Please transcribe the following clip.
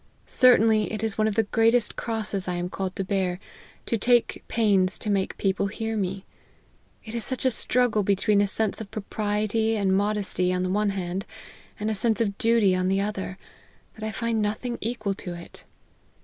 Certainly it is one of the greatest crosses I am called to bear, to take pains to make people hear me. It is such a struggle between a sense of propriety and modesty, on the one hand, and a sense of duty, on the other, that I find nothing equal to it.